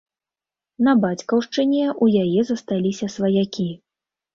На бацькаўшчыне ў яе засталіся сваякі.